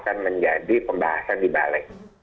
akan menjadi pembahasan di balik